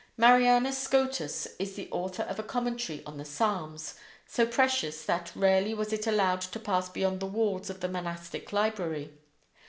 Marianus Scotus is the author of a commentary on the Psalms, so precious that rarely was it allowed to pass beyond the walls of the monastic library.